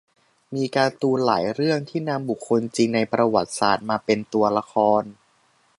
มีการ์ตูนหลายเรื่องที่นำบุคคลจริงในประวัติศาสตร์มาเป็นตัวละคร